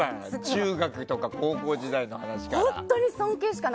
中学とか高校時代の話とか。